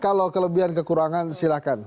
kalau kelebihan kekurangan silahkan